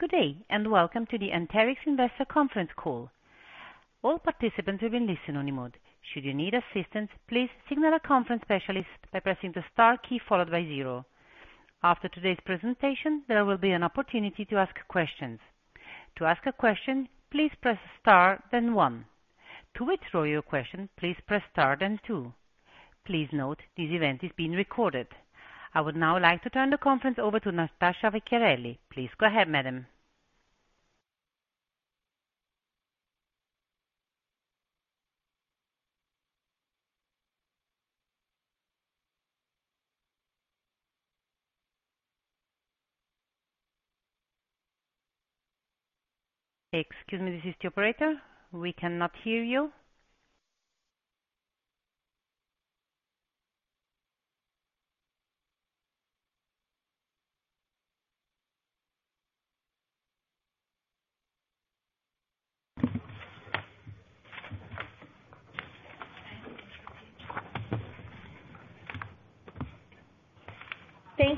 Good day. Welcome to the Anterix investor conference call. All participants will be in listen-only mode. Should you need assistance, please signal a conference specialist by pressing the star key followed by zero. After today's presentation, there will be an opportunity to ask questions. To ask a question, please press star, then one. To withdraw your question, please press star, then two. Please note, this event is being recorded. I would now like to turn the conference over to Natasha Vecchiarelli. Please go ahead, madam. Excuse me, this is the operator. We cannot hear you.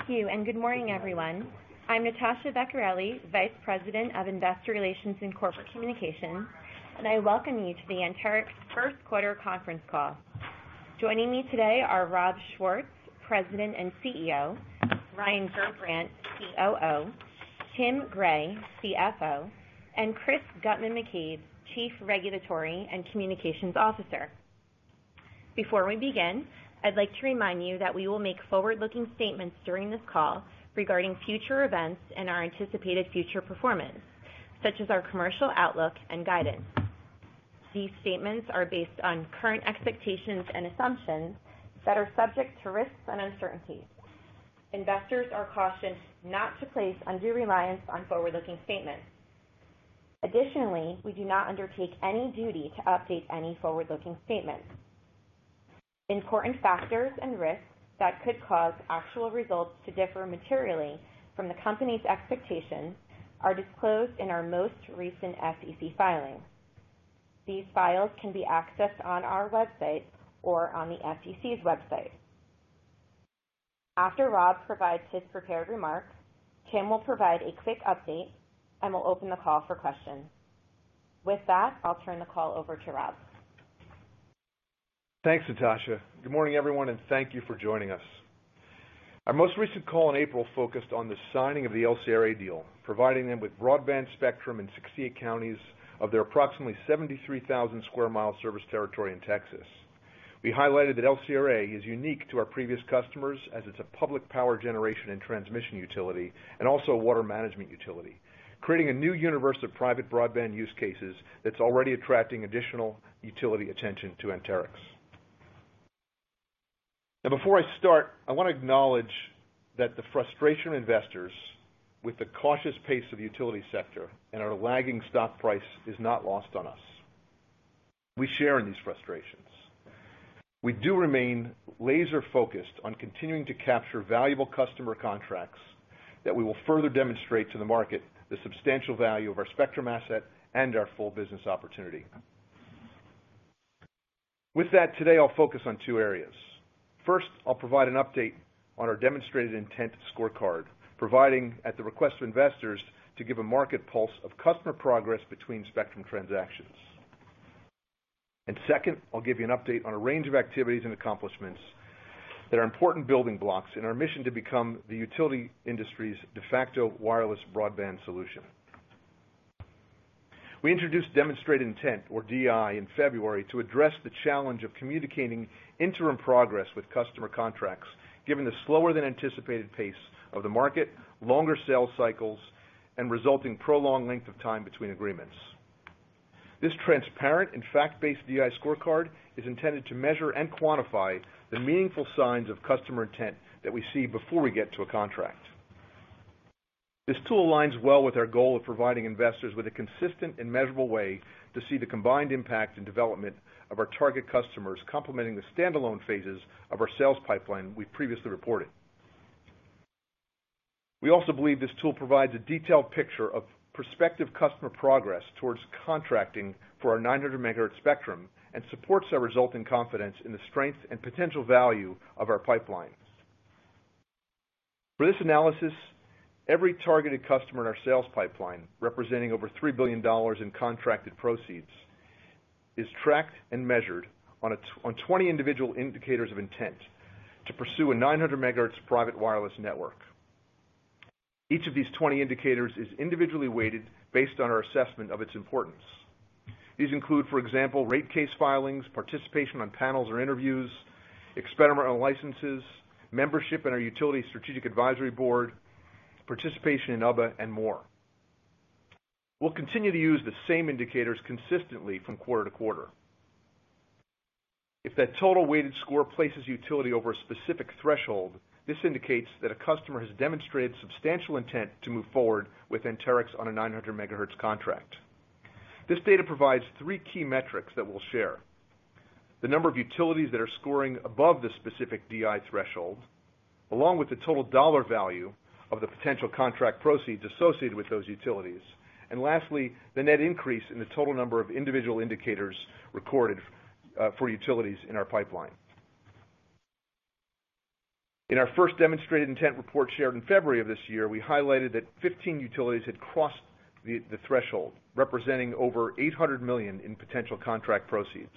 Thank you, and good morning, everyone. I'm Natasha Vecchiarelli, Vice President of Investor Relations and Corporate Communications, and I welcome you to the Anterix first quarter conference call. Joining me today are Rob Schwartz, President and CEO, Ryan Gerbrandt, COO, Tim Gray, CFO, and Chris Guttman-McCabe, Chief Regulatory and Communications Officer. Before we begin, I'd like to remind you that we will make forward-looking statements during this call regarding future events and our anticipated future performance, such as our commercial outlook and guidance. These statements are based on current expectations and assumptions that are subject to risks and uncertainties. Investors are cautioned not to place undue reliance on forward-looking statements. Additionally, we do not undertake any duty to update any forward-looking statements. Important factors and risks that could cause actual results to differ materially from the company's expectations are disclosed in our most recent SEC filing. These files can be accessed on our website or on the SEC's website. After Rob provides his prepared remarks, Tim will provide a quick update, and we'll open the call for questions. With that, I'll turn the call over to Rob. Thanks, Natasha. Good morning, everyone, thank you for joining us. Our most recent call in April focused on the signing of the LCRA deal, providing them with broadband spectrum in 68 counties of their approximately 73,000 sq mi service territory in Texas. We highlighted that LCRA is unique to our previous customers as it's a public power generation and transmission utility, and also a water management utility, creating a new universe of private broadband use cases that's already attracting additional utility attention to Anterix. Before I start, I want to acknowledge that the frustration of investors with the cautious pace of the utility sector and our lagging stock price is not lost on us. We share in these frustrations. We do remain laser-focused on continuing to capture valuable customer contracts that we will further demonstrate to the market the substantial value of our spectrum asset and our full business opportunity. With that, today, I'll focus on two areas. First, I'll provide an update on our Demonstrated Intent scorecard, providing, at the request of investors, to give a market pulse of customer progress between spectrum transactions. Second, I'll give you an update on a range of activities and accomplishments that are important building blocks in our mission to become the utility industry's de facto wireless broadband solution. We introduced Demonstrated Intent, or DI, in February to address the challenge of communicating interim progress with customer contracts, given the slower than anticipated pace of the market, longer sales cycles, and resulting prolonged length of time between agreements. This transparent and fact-based DI scorecard is intended to measure and quantify the meaningful signs of customer intent that we see before we get to a contract. This tool aligns well with our goal of providing investors with a consistent and measurable way to see the combined impact and development of our target customers, complementing the standalone phases of our sales pipeline we previously reported. We also believe this tool provides a detailed picture of prospective customer progress towards contracting for our 900 MHz spectrum and supports our resulting confidence in the strength and potential value of our pipeline. For this analysis, every targeted customer in our sales pipeline, representing over $3 billion in contracted proceeds, is tracked and measured on 20 individual indicators of intent to pursue a 900 MHz private wireless network. Each of these 20 indicators is individually weighted based on our assessment of its importance. These include, for example, rate case filings, participation on panels or interviews, experimental licenses, membership in our Utility Strategic Advisory Board, participation in UBBA, and more. We'll continue to use the same indicators consistently from quarter to quarter. If that total weighted score places utility over a specific threshold, this indicates that a customer has demonstrated substantial intent to move forward with Anterix on a 900 MHz contract. This data provides three key metrics that we'll share. The number of utilities that are scoring above the specific DI threshold, along with the total dollar value of the potential contract proceeds associated with those utilities, and lastly, the net increase in the total number of individual indicators recorded for utilities in our pipeline. In our first Demonstrated Intent report shared in February of this year, we highlighted that 15 utilities had crossed the threshold, representing over $800 million in potential contract proceeds.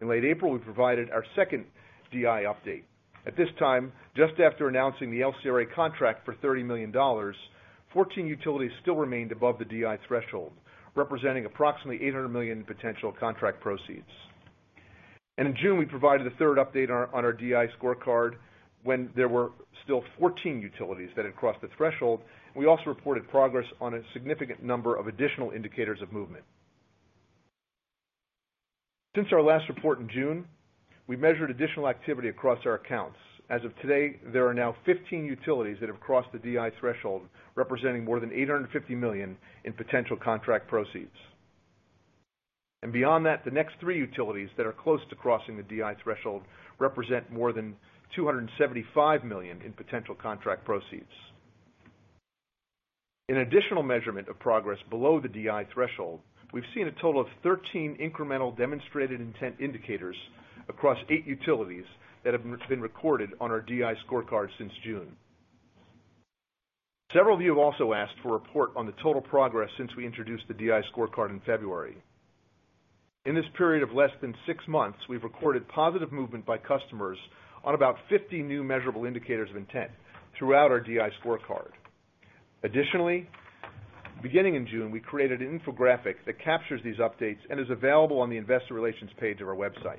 In late April, we provided our second DI update. At this time, just after announcing the LCRA contract for $30 million, 14 utilities still remained above the DI threshold, representing approximately $800 million in potential contract proceeds. In June, we provided a third update on our DI scorecard when there were still 14 utilities that had crossed the threshold, and we also reported progress on a significant number of additional indicators of movement. Since our last report in June, we measured additional activity across our accounts. As of today, there are now 15 utilities that have crossed the DI threshold, representing more than $850 million in potential contract proceeds. Beyond that, the next three utilities that are close to crossing the DI threshold represent more than $275 million in potential contract proceeds. In additional measurement of progress below the DI threshold, we've seen a total of 13 incremental Demonstrated Intent indicators across eight utilities that have been recorded on our DI scorecard since June. Several of you have also asked for a report on the total progress since we introduced the DI scorecard in February. In this period of less than 6 months, we've recorded positive movement by customers on about 50 new measurable indicators of intent throughout our DI scorecard. Beginning in June, we created an infographic that captures these updates and is available on the investor relations page of our website.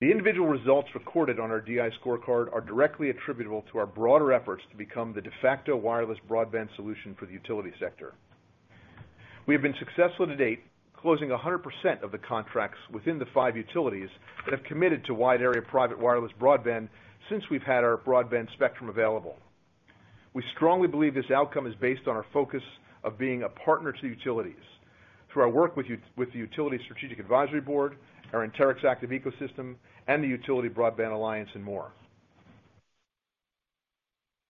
The individual results recorded on our DI scorecard are directly attributable to our broader efforts to become the de facto wireless broadband solution for the utility sector. We have been successful to date, closing 100% of the contracts within the 5 utilities that have committed to wide area private wireless broadband since we've had our broadband spectrum available. We strongly believe this outcome is based on our focus of being a partner to utilities through our work with the Utility Strategic Advisory Board, our Anterix Active Ecosystem, and the Utility Broadband Alliance and more.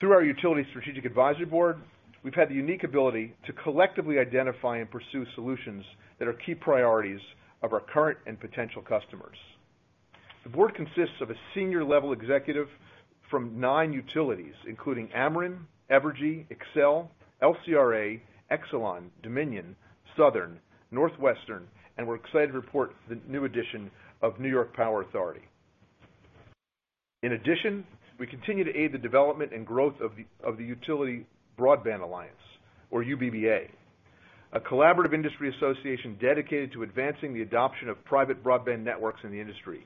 Through our Utility Strategic Advisory Board, we've had the unique ability to collectively identify and pursue solutions that are key priorities of our current and potential customers. The board consists of a senior level executive from nine utilities, including Ameren, Evergy, Xcel Energy, LCRA, Exelon, Dominion, Southern, Northwestern, and we're excited to report the new addition of New York Power Authority. In addition, we continue to aid the development and growth of the Utility Broadband Alliance, or UBBA, a collaborative industry association dedicated to advancing the adoption of private broadband networks in the industry.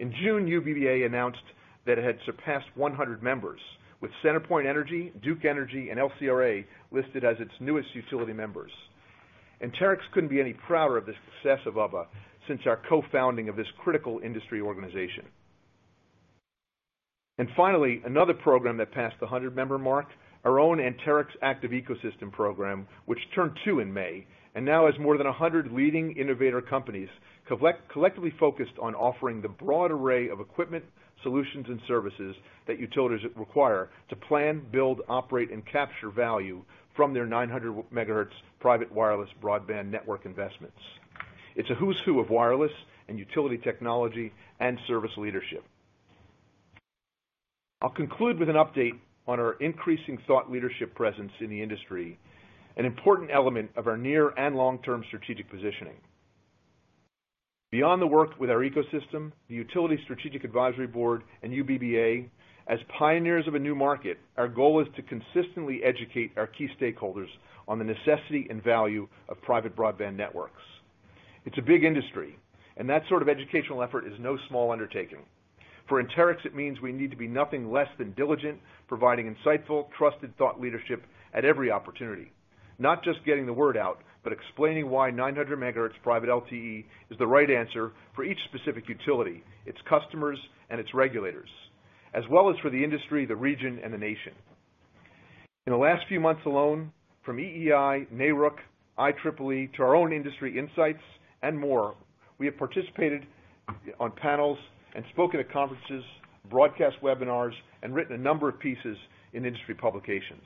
In June, UBBA announced that it had surpassed 100 members, with CenterPoint Energy, Duke Energy, and LCRA listed as its newest utility members. Anterix couldn't be any prouder of the success of UBBA since our co-founding of this critical industry organization. Finally, another program that passed the 100 member mark, our own Anterix Active Ecosystem program, which turned two in May and now has more than 100 leading innovator companies collectively focused on offering the broad array of equipment, solutions, and services that utilities require to plan, build, operate, and capture value from their 900 MHz private wireless broadband network investments. It's a who's who of wireless and utility technology and service leadership. I'll conclude with an update on our increasing thought leadership presence in the industry, an important element of our near and long-term strategic positioning. Beyond the work with our ecosystem, the Utility Strategic Advisory Board and UBBA, as pioneers of a new market, our goal is to consistently educate our key stakeholders on the necessity and value of private broadband networks. It's a big industry, that sort of educational effort is no small undertaking. For Anterix, it means we need to be nothing less than diligent, providing insightful, trusted thought leadership at every opportunity, not just getting the word out, but explaining why 900 MHz private LTE is the right answer for each specific utility, its customers and its regulators, as well as for the industry, the region, and the nation. In the last few months alone, from EEI, NARUC, IEEE, to our own industry insights and more, we have participated on panels and spoken at conferences, broadcast webinars, and written a number of pieces in industry publications.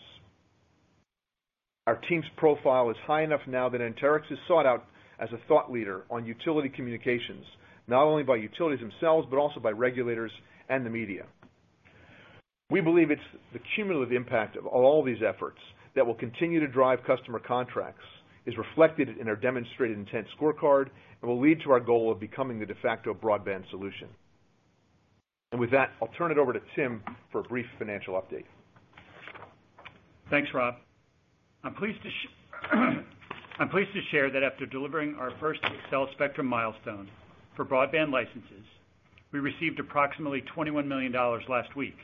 Our team's profile is high enough now that Anterix is sought out as a thought leader on utility communications, not only by utilities themselves, but also by regulators and the media. We believe it's the cumulative impact of all these efforts that will continue to drive customer contracts, is reflected in our Demonstrated Intent scorecard, and will lead to our goal of becoming the de facto broadband solution. With that, I'll turn it over to Tim for a brief financial update. Thanks, Rob. I'm pleased to share that after delivering our first Xcel spectrum milestone for broadband licenses, we received approximately $21 million last week.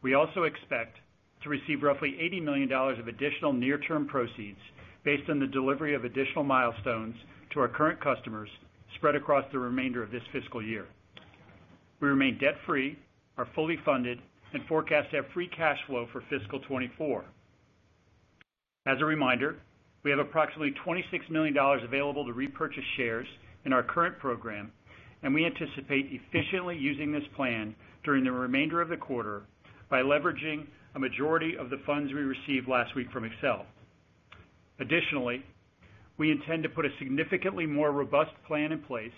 We also expect to receive roughly $80 million of additional near-term proceeds based on the delivery of additional milestones to our current customers spread across the remainder of this fiscal year. We remain debt-free, are fully funded, and forecast to have free cash flow for fiscal 2024. As a reminder, we have approximately $26 million available to repurchase shares in our current program, and we anticipate efficiently using this plan during the remainder of the quarter by leveraging a majority of the funds we received last week from Xcel. Additionally, we intend to put a significantly more robust plan in place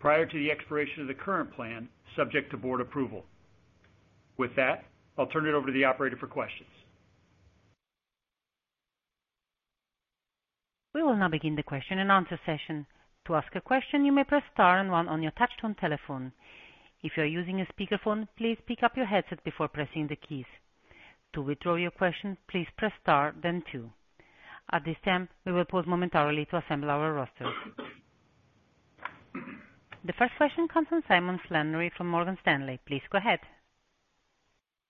prior to the expiration of the current plan, subject to board approval. With that, I'll turn it over to the operator for questions. We will now begin the question-and-answer session. To ask a question, you may press star one on your touch-tone telephone. If you're using a speakerphone, please pick up your headset before pressing the keys. To withdraw your question, please press star two. At this time, we will pause momentarily to assemble our roster. The first question comes from Simon Flannery from Morgan Stanley. Please go ahead.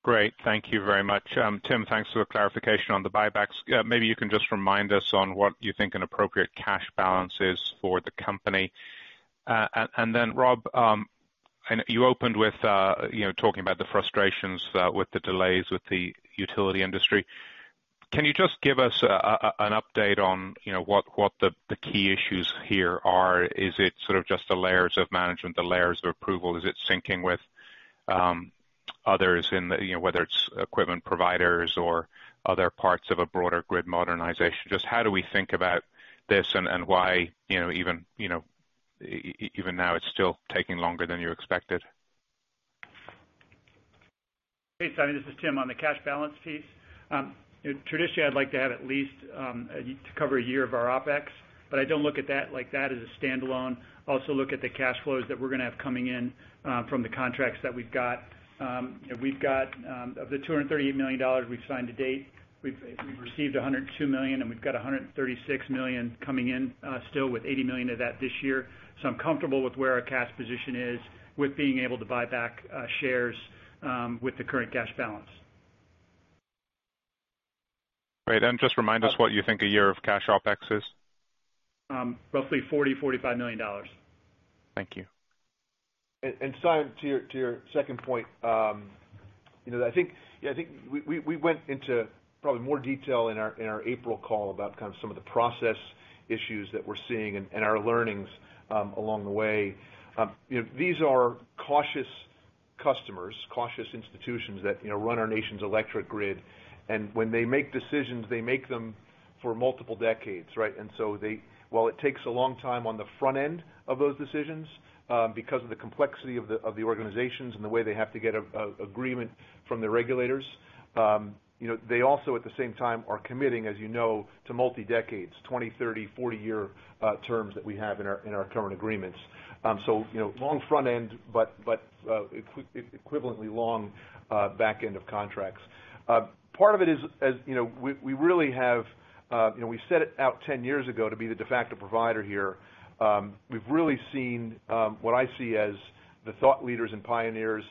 Great. Thank you very much. Tim, thanks for the clarification on the buybacks. Maybe you can just remind us on what you think an appropriate cash balance is for the company. Rob, I know you opened with, you know, talking about the frustrations with the delays with the utility industry. Can you just give us an update on, you know, what, what the, the key issues here are? Is it sort of just the layers of management, the layers of approval? Is it syncing with others in the, you know, whether it's equipment providers or other parts of a broader grid modernization? Just how do we think about this and, and why, you know, even, you know, even now, it's still taking longer than you expected? Hey, Simon, this is Tim. On the cash balance piece, traditionally, I'd like to have at least to cover a year of our OpEx, but I don't look at that, like that as a standalone. I also look at the cash flows that we're gonna have coming in from the contracts that we've got. We've got. Of the $238 million we've signed to date, we've received $102 million, and we've got $136 million coming in still, with $80 million of that this year. I'm comfortable with where our cash position is with being able to buy back shares with the current cash balance. Great. just remind us what you think a year of cash OpEx is? Roughly $40 million, $45 million. Thank you. Simon, to your, to your second point, you know, I think, yeah, I think we, we, we went into probably more detail in our, in our April call about kind of some of the process issues that we're seeing and, and our learnings along the way. You know, these are cautious customers, cautious institutions that, you know, run our nation's electric grid, and when they make decisions, they make them for multiple decades, right? While it takes a long time on the front end of those decisions, because of the complexity of the, of the organizations and the way they have to get a, a agreement from the regulators, you know, they also, at the same time, are committing, as you know, to multi-decades, 20, 30, 40-year terms that we have in our, in our current agreements. You know, long front end, but, equivalently long, back end of contracts. Part of it is, as you know, we, we really have, you know, we set it out 10 years ago to be the de facto provider here. We've really seen, what I see as the thought leaders and pioneers,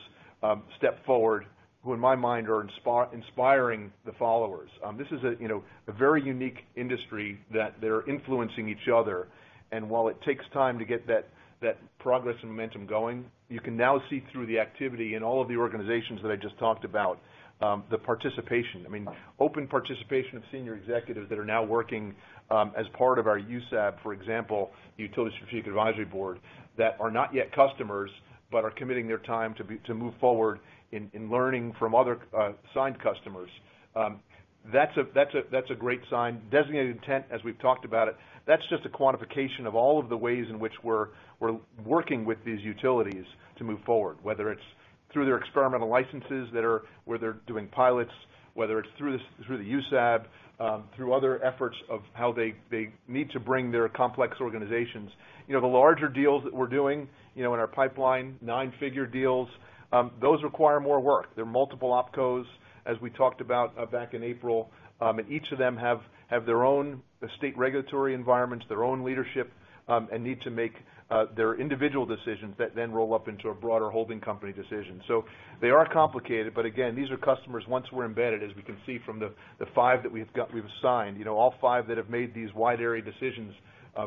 step forward, who, in my mind, are inspiring the followers. This is a, you know, a very unique industry that they're influencing each other, and while it takes time to get that, that progress and momentum going, you can now see through the activity in all of the organizations that I just talked about, the participation. I mean, open participation of senior executives that are now working, as part of our USAB, for example, Utility Strategic Advisory Board, that are not yet customers, but are committing their time to move forward in, in learning from other, signed customers. That's a, that's a, that's a great sign. Demonstrated Intent, as we've talked about it, that's just a quantification of all of the ways in which we're, we're working with these utilities to move forward, whether it's through their experimental licenses that are, where they're doing pilots, whether it's through through the USAB, through other efforts of how they, they need to bring their complex organizations. You know, the larger deals that we're doing, you know, in our pipeline, nine-figure deals, those require more work. There are multiple opco, as we talked about, back in April, each of them have, have their own state regulatory environments, their own leadership, and need to make their individual decisions that then roll up into a broader holding company decision. They are complicated, again, these are customers, once we're embedded, as we can see from the five that we've got, we've signed, you know, all five that have made these wide area decisions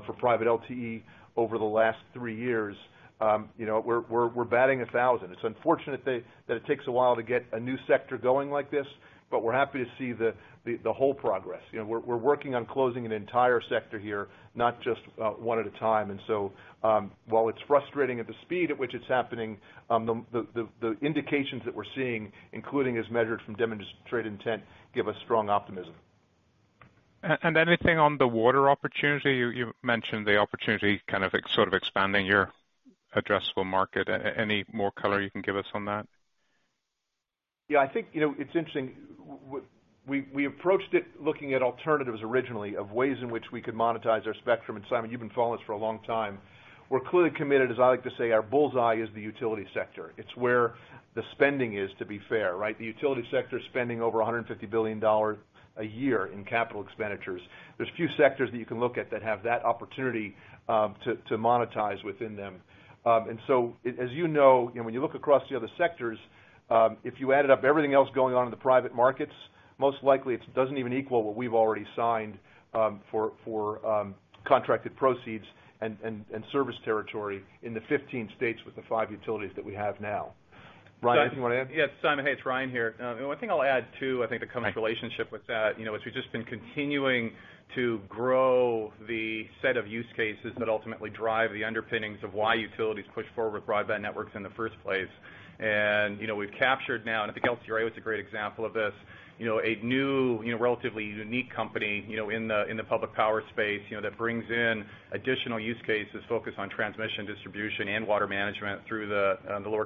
for private LTE over the last three years, you know, we're, we're, we're batting a 1,000. It's unfortunate they, that it takes a while to get a new sector going like this, we're happy to see the, the, the whole progress. You know, we're, we're working on closing an entire sector here, not just one at a time. While it's frustrating at the speed at which it's happening, the, the, the, the indications that we're seeing, including as measured from Demonstrated Intent, give us strong optimism. Anything on the water opportunity? You mentioned the opportunity kind of sort of expanding your addressable market. Any more color you can give us on that? Yeah, I think, you know, it's interesting, we approached it looking at alternatives originally, of ways in which we could monetize our spectrum. Simon, you've been following us for a long time. We're clearly committed, as I like to say, our bull's eye is the utility sector. It's where the spending is, to be fair, right? The utility sector is spending over $150 billion a year in capital expenditures. There's few sectors that you can look at that have that opportunity to monetize within them. As you know, you know, when you look across the other sectors, if you added up everything else going on in the private markets, most likely, it's doesn't even equal what we've already signed for contracted proceeds and service territory in the 15 states with the five utilities that we have now. Ryan, anything you want to add? Yeah, Simon, hey, it's Ryan here. One thing I'll add, too, I think, to come into relationship with that, you know, is we've just been continuing to grow the set of use cases that ultimately drive the underpinnings of why utilities push forward with broadband networks in the first place. You know, we've captured now, and I think LCRA is a great example of this, you know, a new, you know, relatively unique company, you know, in the, in the public power space, you know, that brings in additional use cases focused on transmission, distribution, and water management through the Lower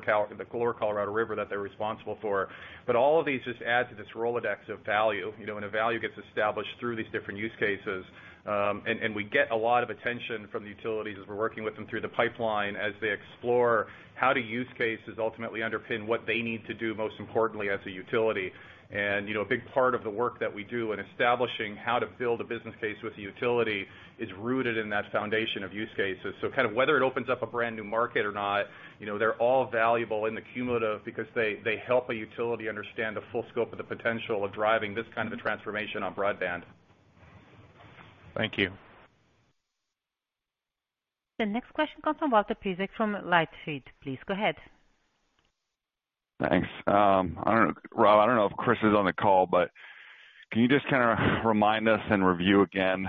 Colorado River that they're responsible for. All of these just add to this Rolodex of value, you know, and the value gets established through these different use cases. We get a lot of attention from the utilities as we're working with them through the pipeline, as they explore how do use cases ultimately underpin what they need to do, most importantly, as a utility. You know, a big part of the work that we do in establishing how to build a business case with the utility is rooted in that foundation of use cases. Kind of whether it opens up a brand new market or not, you know, they're all valuable in the cumulative because they, they help a utility understand the full scope of the potential of driving this kind of a transformation on broadband. Thank you. The next question comes from Walter Piecyk from LightShed. Please go ahead. Thanks. I don't know Rob Schwartz, I don't know if Chris Guttman-McCabe is on the call, but can you just kinda remind us and review again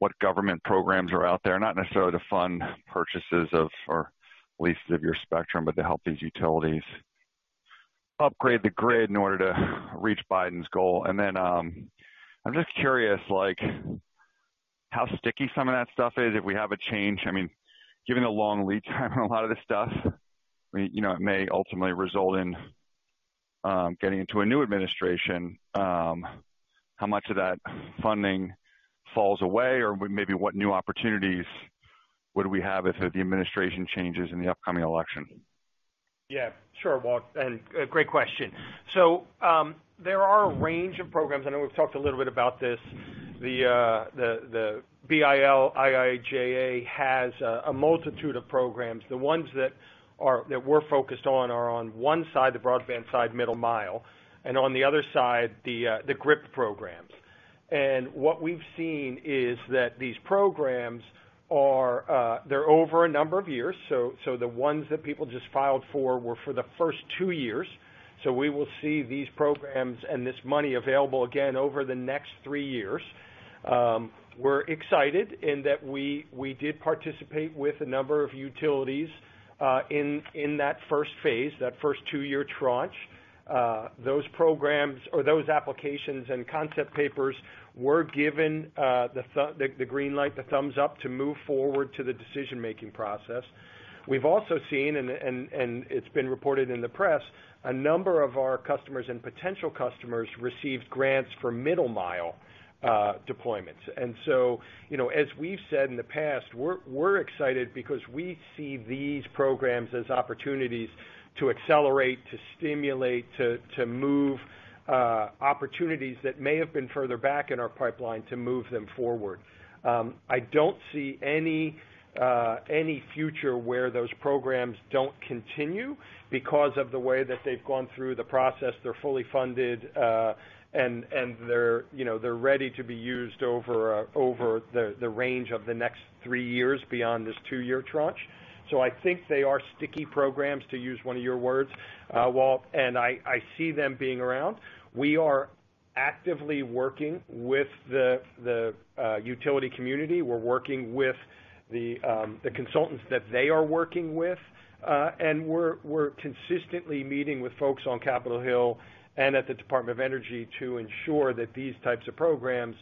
what government programs are out there? Not necessarily to fund purchases of, or leases of your spectrum, but to help these utilities upgrade the grid in order to reach Biden's goal. I'm just curious, like, how sticky some of that stuff is if we have a change. I mean, given the long lead time on a lot of this stuff, I mean, you know, it may ultimately result in getting into a new administration, how much of that funding falls away, or maybe what new opportunities would we have if the administration changes in the upcoming election? Yeah, sure, Walt, great question. There are a range of programs, I know we've talked a little bit about this. The, the, the BIL IIJA has a, a multitude of programs. The ones that are-- that we're focused on are on one side, the broadband side, middle mile, and on the other side, the, the GRIP Program. What we've seen is that these programs are, they're over a number of years. So the ones that people just filed for were for the first two years. We will see these programs and this money available again over the next 3 years. We're excited in that we, we did participate with a number of utilities, in, in that first phase, that first two-year tranche. Those programs or those applications and concept papers were given the green light, the thumbs up to move forward to the decision-making process. We've also seen, and it's been reported in the press, a number of our customers and potential customers received grants for middle mile deployments. You know, as we've said in the past, we're excited because we see these programs as opportunities to accelerate, to stimulate, to move opportunities that may have been further back in our pipeline to move them forward. I don't see any future where those programs don't continue because of the way that they've gone through the process. They're fully funded, and they're, you know, they're ready to be used over the range of the next three years beyond this two-year tranche. I think they are sticky programs, to use one of your words, Walt, and I, I see them being around. We are actively working with the, the utility community. We're working with the, the consultants that they are working with, and we're, we're consistently meeting with folks on Capitol Hill and at the Department of Energy to ensure that these types of programs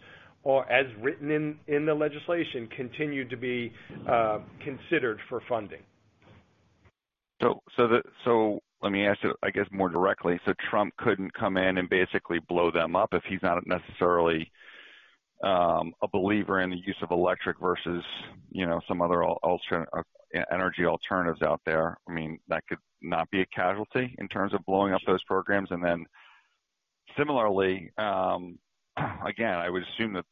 are, as written in, in the legislation, continue to be considered for funding. Let me ask you, I guess, more directly: Trump couldn't come in and basically blow them up if he's not necessarily a believer in the use of electric versus, you know, some other alter- energy alternatives out there? I mean, that could not be a casualty in terms of blowing up those programs. Similarly, again, I would assume that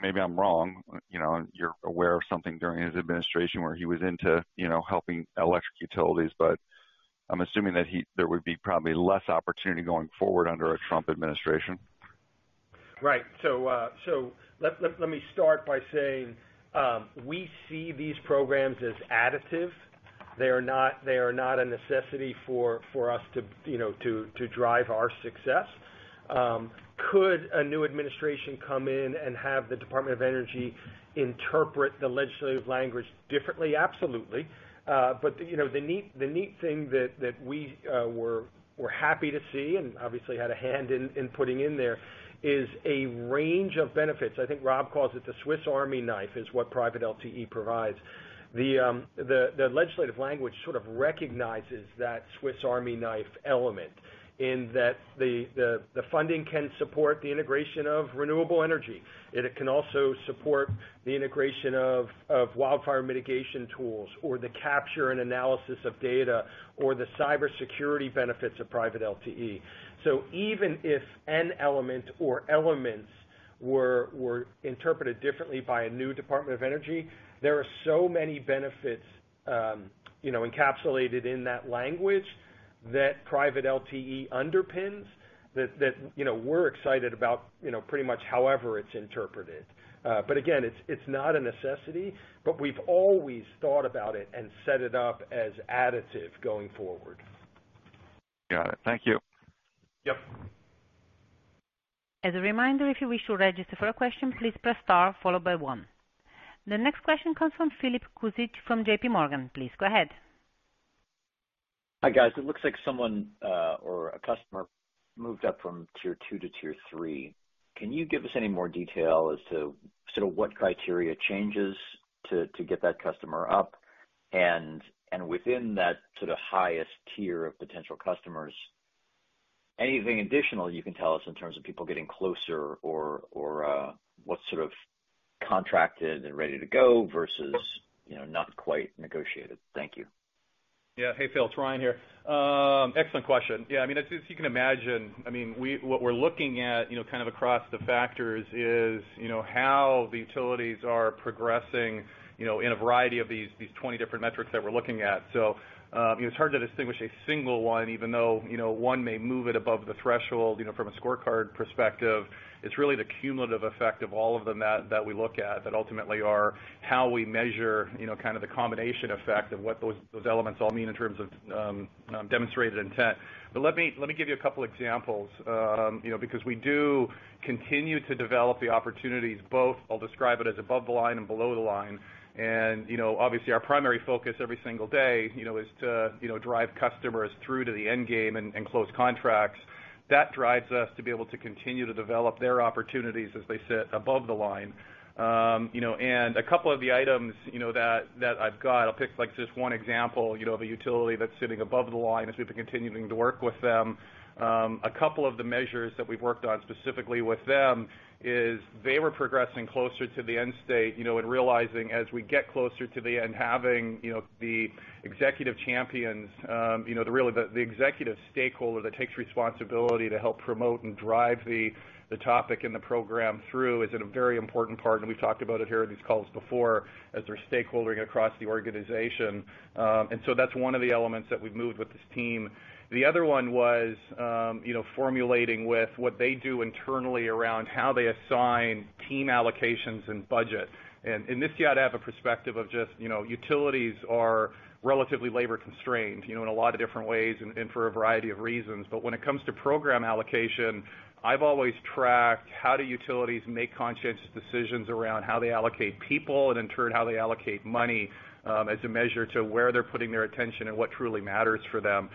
maybe I'm wrong, you know, and you're aware of something during his administration where he was into, you know, helping electric utilities, but I'm assuming that there would be probably less opportunity going forward under a Trump administration. Right. Let, let, let me start by saying, we see these programs as additive. They are not, they are not a necessity for, for us to, you know, to, to drive our success. Could a new administration come in and have the Department of Energy interpret the legislative language differently? Absolutely. You know, the neat, the neat thing that, that we, were, were happy to see and obviously had a hand in, in putting in there, is a range of benefits. I think Rob calls it the Swiss Army knife, is what private LTE provides. The, the, the legislative language sort of recognizes that Swiss Army knife element in that the, the, the funding can support the integration of renewable energy. It can also support the integration of, of wildfire mitigation tools, or the capture and analysis of data, or the cybersecurity benefits of private LTE. Even if an element or elements were, were interpreted differently by a new Department of Energy, there are so many benefits, you know, encapsulated in that language that private LTE underpins that, that, you know, we're excited about, you know, pretty much however it's interpreted. Again, it's, it's not a necessity, but we've always thought about it and set it up as additive going forward. Got it. Thank you. Yep. As a reminder, if you wish to register for a question, please press star followed by one The next question comes from Philip Cusick from JPMorgan. Please go ahead. Hi, guys. It looks like someone, or a customer moved up from tier 2 to tier 3. Can you give us any more detail as to sort of what criteria changes to, to get that customer up? Within that sort of highest tier of potential customers, anything additional you can tell us in terms of people getting closer or, what sort of contracted and ready to go versus, you know, not quite negotiated? Thank you. Yeah. Hey, Phil, it's Ryan here. excellent question. Yeah, I mean, as, as you can imagine, I mean, we-- what we're looking at, you know, kind of across the factors is, you know, how the utilities are progressing, you know, in a variety of these, these 20 different metrics that we're looking at. You know, it's hard to distinguish a single one, even though, you know, one may move it above the threshold, you know, from a scorecard perspective. It's really the cumulative effect of all of them that, that we look at, that ultimately are how we measure, you know, kind of the combination effect of what those, those elements all mean in terms of, Demonstrated Intent. Let me, let me give you a couple examples, you know, because we do continue to develop the opportunities both I'll describe it as above the line and below the line. You know, obviously, our primary focus every single day, you know, is to, you know, drive customers through to the end game and, and close contracts. That drives us to be able to continue to develop their opportunities as they sit above the line. A couple of the items, you know, that, that I've got, I'll pick, like, just one example, you know, of a utility that's sitting above the line as we've been continuing to work with them. A couple of the measures that we've worked on specifically with them is they were progressing closer to the end state, you know, and realizing as we get closer to the end, having, you know, the executive champions, you know, the really the, the executive stakeholder that takes responsibility to help promote and drive the, the topic and the program through is a very important part, and we've talked about it here in these calls before, as they're stakeholdering across the organization. That's one of the elements that we've moved with this team. The other one was, you know, formulating with what they do internally around how they assign team allocations and budget. In this, you ought to have a perspective of just, you know, utilities are relatively labor constrained, you know, in a lot of different ways and, and for a variety of reasons. When it comes to program allocation, I've always tracked how do utilities make conscious decisions around how they allocate people, and in turn, how they allocate money, as a measure to where they're putting their attention and what truly matters for them.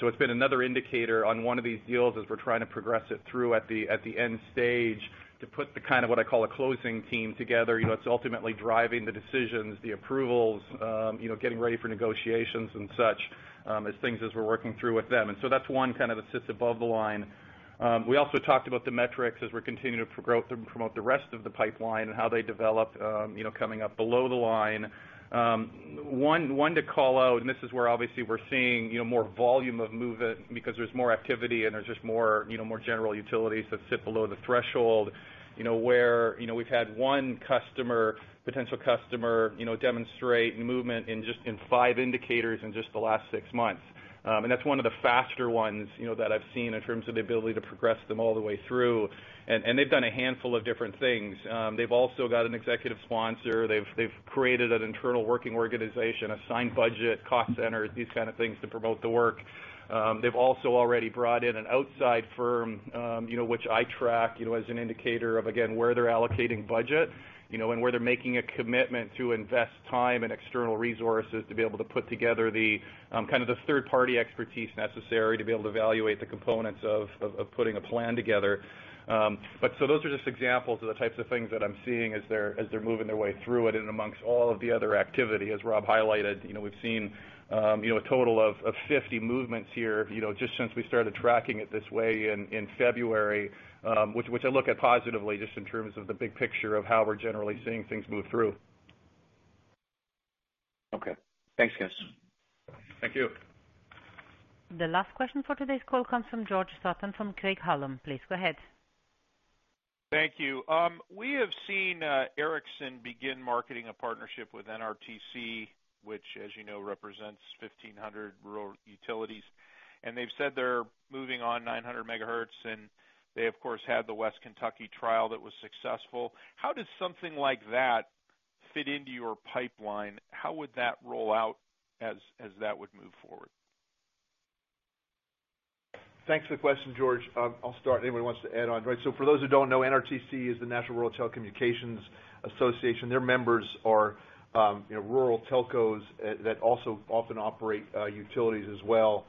So it's been another indicator on one of these deals as we're trying to progress it through at the, at the end stage, to put the kind of what I call a closing team together. You know, it's ultimately driving the decisions, the approvals, you know, getting ready for negotiations and such, as things as we're working through with them. So that's one kind of assist above the line. We also talked about the metrics as we're continuing to promote the rest of the pipeline and how they develop, you know, coming up below the line. One to call out, this is where obviously we're seeing, you know, more volume of movement because there's more activity and there's just more, you know, more general utilities that sit below the threshold. You know, where, you know, we've had one customer, potential customer, you know, demonstrate movement in just in five indicators in just the last six months. That's one of the faster ones, you know, that I've seen in terms of the ability to progress them all the way through. They've done a handful of different things. They've also got an executive sponsor, they've, they've created an internal working organization, assigned budget, cost centers, these kind of things to promote the work. They've also already brought in an outside firm, you know, which I track, you know, as an indicator of, again, where they're allocating budget, you know, and where they're making a commitment to invest time and external resources to be able to put together the kind of the third-party expertise necessary to be able to evaluate the components of, of, of putting a plan together. Those are just examples of the types of things that I'm seeing as they're, as they're moving their way through it and amongst all of the other activity. As Rob highlighted, you know, we've seen, you know, a total of, of 50 movements here, you know, just since we started tracking it this way in, in February, which, which I look at positively, just in terms of the big picture of how we're generally seeing things move through. Okay. Thanks, guys. Thank you. The last question for today's call comes from George Sutton, from Craig-Hallum. Please go ahead. Thank you. We have seen Ericsson begin marketing a partnership with NRTC, which, as you know, represents 1,500 rural utilities. They've said they're moving on 900 MHz, and they, of course, had the West Kentucky trial that was successful. How does something like that fit into your pipeline? How would that roll out as, as that would move forward? Thanks for the question, George. I'll start, if anybody wants to add on. Right, so for those who don't know, NRTC is the National Rural Telecommunications Cooperative. Their members are, you know, rural telcos, that also often operate utilities as well.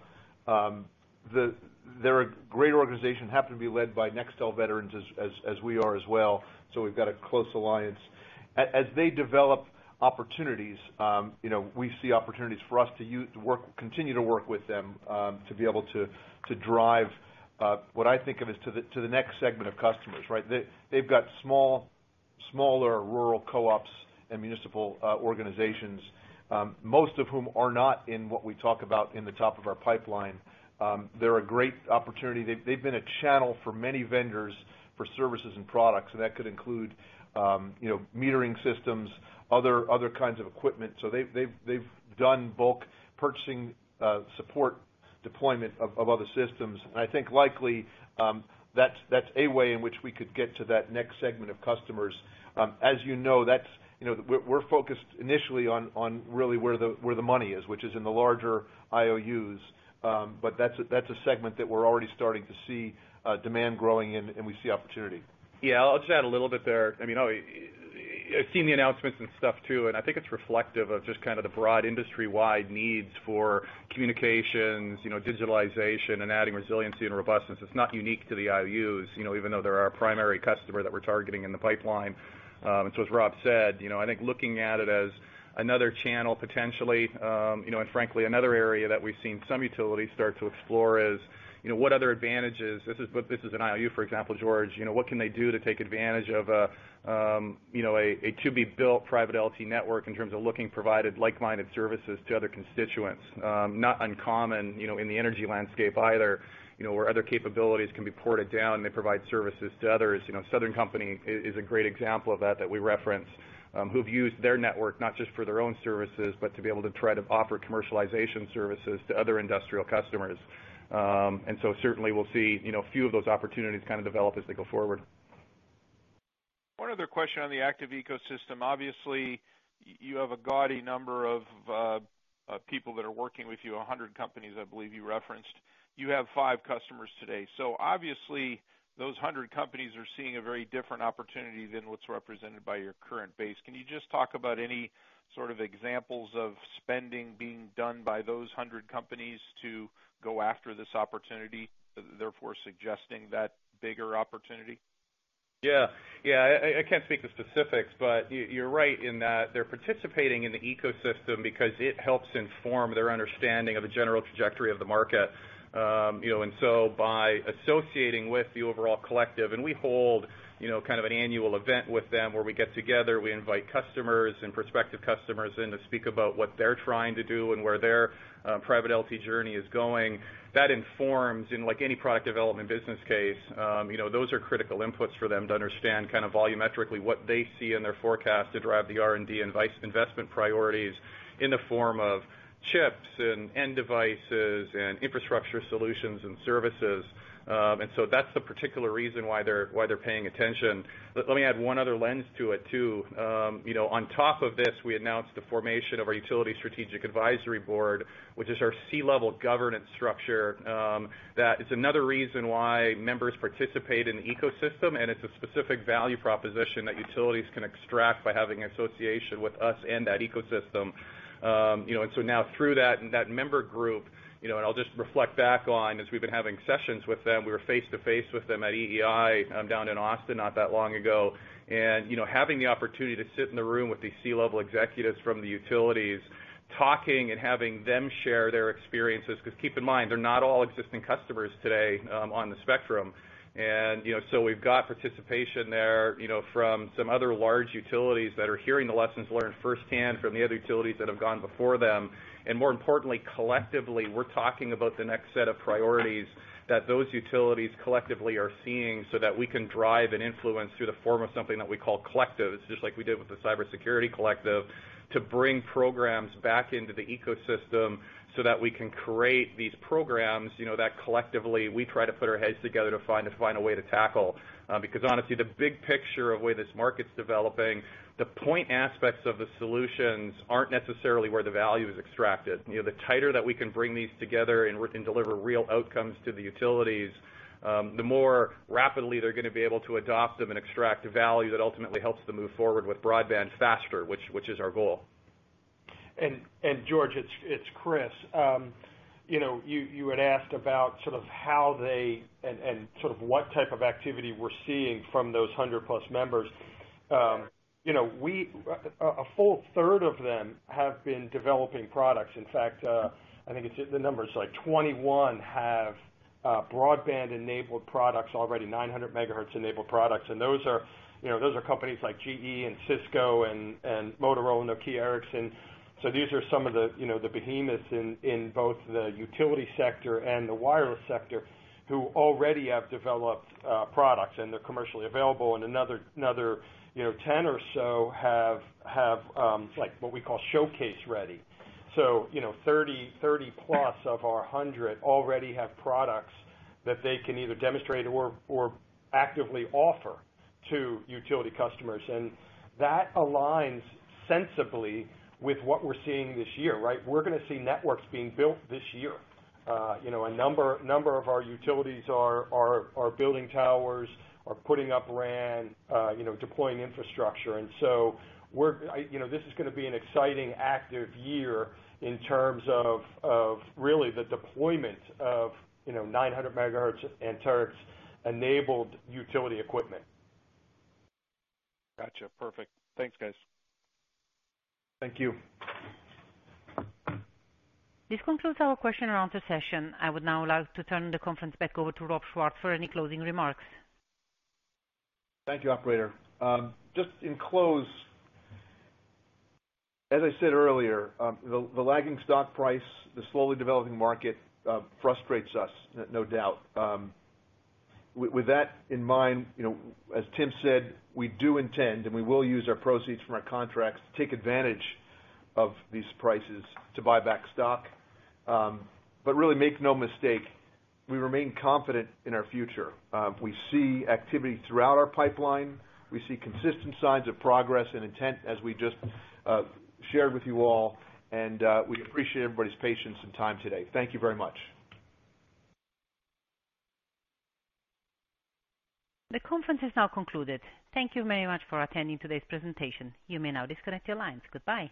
They're a great organization, happen to be led by Nextel veterans as, as, as we are as well, so we've got a close alliance. As they develop opportunities, you know, we see opportunities for us to continue to work with them, to be able to, to drive, what I think of as to the, to the next segment of customers, right? They, they've got small, smaller rural co-ops and municipal organizations, most of whom are not in what we talk about in the top of our pipeline. They're a great opportunity. They've, they've been a channel for many vendors for services and products, that could include, you know, metering systems, other, other kinds of equipment. They've, they've, they've done bulk purchasing, support, deployment of, of other systems. I think likely, that's, that's a way in which we could get to that next segment of customers. As you know, that's, you know, we're, we're focused initially on, on really where the, where the money is, which is in the larger IOUs. That's a, that's a segment that we're already starting to see, demand growing and, and we see opportunity. Yeah, I'll just add a little bit there. I mean, obviously-... I've seen the announcements and stuff, too, and I think it's reflective of just kind of the broad industry-wide needs for communications, you know, digitalization, and adding resiliency and robustness. It's not unique to the IOUs, you know, even though they're our primary customer that we're targeting in the pipeline. So as Rob said, you know, I think looking at it as another channel, potentially, you know, and frankly, another area that we've seen some utilities start to explore is, you know, what other advantages, this is an IOU, for example, George, you know, what can they do to take advantage of, you know, a, a to-be-built private LTE network in terms of looking provided like-minded services to other constituents? Not uncommon, you know, in the energy landscape either, you know, where other capabilities can be ported down, they provide services to others. You know, Southern Company is, is a great example of that, that we reference, who've used their network not just for their own services, but to be able to try to offer commercialization services to other industrial customers. Certainly we'll see, you know, a few of those opportunities kind of develop as they go forward. One other question on the Active Ecosystem. Obviously, you have a gaudy number of people that are working with you, 100 companies, I believe you referenced. You have 5 customers today. Obviously, those 100 companies are seeing a very different opportunity than what's represented by your current base. Can you just talk about any sort of examples of spending being done by those 100 companies to go after this opportunity, therefore suggesting that bigger opportunity? Yeah. Yeah, I, I, I can't speak to specifics, but you, you're right in that they're participating in the ecosystem because it helps inform their understanding of the general trajectory of the market. You know, so by associating with the overall collective, and we hold, you know, kind of an annual event with them where we get together, we invite customers and prospective customers in to speak about what they're trying to do and where their private LTE journey is going. That informs, in like any product development business case, you know, those are critical inputs for them to understand kind of volumetrically what they see in their forecast to drive the R&D and vice- investment priorities in the form of chips and end devices and infrastructure solutions and services. So that's the particular reason why they're, why they're paying attention. Let me add one other lens to it, too. You know, on top of this, we announced the formation of our Utility Strategic Advisory Board, which is our C-level governance structure, that is another reason why members participate in the ecosystem, and it's a specific value proposition that utilities can extract by having an association with us and that ecosystem. You know, so now through that, and that member group, you know, I'll just reflect back on, as we've been having sessions with them, we were face-to-face with them at EEI, down in Austin not that long ago. You know, having the opportunity to sit in the room with these C-level executives from the utilities, talking and having them share their experiences, because keep in mind, they're not all existing customers today, on the spectrum. You know, so we've got participation there, you know, from some other large utilities that are hearing the lessons learned firsthand from the other utilities that have gone before them. More importantly, collectively, we're talking about the next set of priorities that those utilities collectively are seeing, so that we can drive and influence through the form of something that we call Collectives, just like we did with the cybersecurity Collective, to bring programs back into the Ecosystem so that we can create these programs, you know, that collectively, we try to put our heads together to find a way to tackle. Because honestly, the big picture of where this market's developing, the point aspects of the solutions aren't necessarily where the value is extracted. You know, the tighter that we can bring these together and we can deliver real outcomes to the utilities, the more rapidly they're gonna be able to adopt them and extract value that ultimately helps them move forward with broadband faster, which, which is our goal. George, it's Chris. You know, you had asked about sort of how they, and sort of what type of activity we're seeing from those 100+ members. You know, we, a full third of them have been developing products. In fact, I think it's, the number is like 21 have broadband-enabled products, already 900 MHz-enabled products. Those are, you know, those are companies like GE and Cisco and Motorola, Nokia, Ericsson. These are some of the, you know, the behemoths in both the utility sector and the wireless sector, who already have developed products, and they're commercially available. Another, you know, 10 or so have, like what we call showcase ready. you know, 30, 30+ of our 100 already have products that they can either demonstrate or, or actively offer to utility customers. That aligns sensibly with what we're seeing this year, right? We're gonna see networks being built this year. you know, a number, number of our utilities are, are, are building towers, are putting up RAN, you know, deploying infrastructure. We're, you know, this is gonna be an exciting, active year in terms of, of really the deployment of, you know, 900 MHz and Anterix-enabled utility equipment. Gotcha. Perfect. Thanks, guys. Thank you. This concludes our question around the session. I would now like to turn the conference back over to Rob Schwartz for any closing remarks. Thank you, operator. Just in close, as I said earlier, the, the lagging stock price, the slowly developing market, frustrates us, no, no doubt. With that in mind, you know, as Tim said, we do intend, and we will use our proceeds from our contracts to take advantage of these prices to buy back stock. Really make no mistake, we remain confident in our future. We see activity throughout our pipeline. We see consistent signs of progress and intent, as we just shared with you all, and we appreciate everybody's patience and time today. Thank you very much. The conference is now concluded. Thank you very much for attending today's presentation. You may now disconnect your lines. Goodbye.